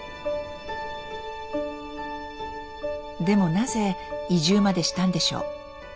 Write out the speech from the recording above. でもなぜ移住までしたんでしょう？